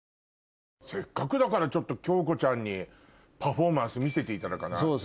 せっかくだからちょっと京子ちゃんにパフォーマンス見せていただかない？